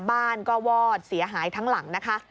บ้านก็วอดเสียหายทั้งหลังนะคะ